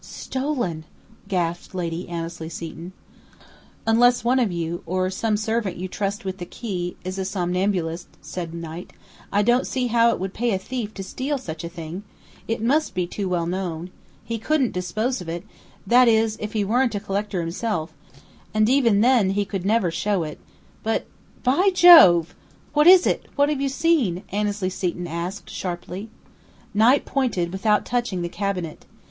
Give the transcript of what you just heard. "Stolen!" gasped Lady Annesley Seton. "Unless one of you, or some servant you trust with the key, is a somnambulist," said Knight. "I don't see how it would pay a thief to steal such a thing. It must be too well known. He couldn't dispose of it that is if he weren't a collector himself; and even then he could never show it. But by Jove!" "What is it? What have you seen?" Annesley Seton asked, sharply. Knight pointed, without touching the cabinet.